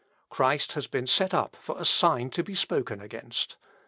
Christ has been set up for a sign to be spoken against.